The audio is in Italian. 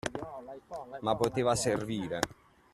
Ma poteva servire.